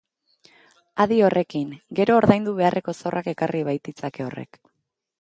Adi horrekin, gero ordaindu beharreko zorrak ekarri baititzake horrek.